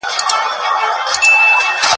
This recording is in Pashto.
داسي پياله نه کومه جاردي سم